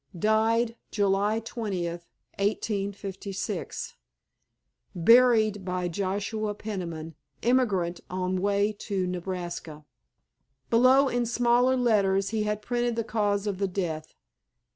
Died July 20th, 1856. Buried by Joshua Peniman, emigrant, on way to Nebraska." Below in smaller letters he had printed the cause of the death.